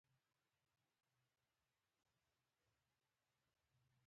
زه نه پوهېدم چې په وژلو څنګه یو فکر ختمیږي